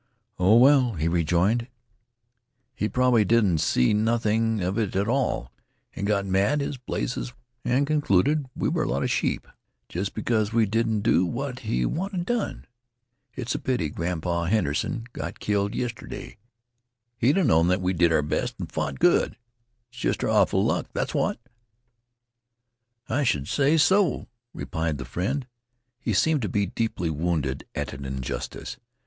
"Oh, well," he rejoined, "he probably didn't see nothing of it at all and got mad as blazes, and concluded we were a lot of sheep, just because we didn't do what he wanted done. It's a pity old Grandpa Henderson got killed yestirday he'd have known that we did our best and fought good. It's just our awful luck, that's what." "I should say so," replied the friend. He seemed to be deeply wounded at an injustice.